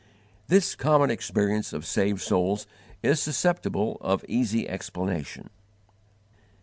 This common experience of saved souls is susceptible of easy explanation.